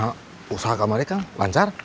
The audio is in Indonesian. kang usaha kamarnya kan lancar